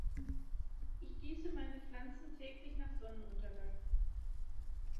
Ich gieße meine Pflanzen täglich nach Sonnenuntergang.